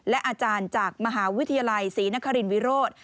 และอาจารย์จากมหาวิทยาลัยศรีนครินวิโรธ